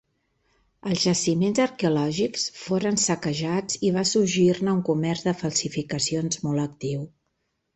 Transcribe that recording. Els jaciments arqueològics foren saquejats i va sorgir-ne un comerç de falsificacions molt actiu.